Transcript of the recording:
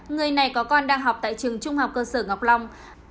người này có con đang học tại trường trung học cơ sở ngọc long